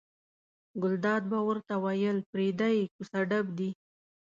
ګلداد به ورته ویل پرېږده یې کوڅه ډب دي.